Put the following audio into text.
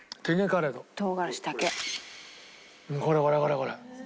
これこれこれこれ！